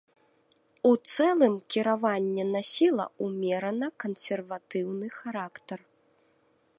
У цэлым кіраванне насіла ўмерана кансерватыўны характар.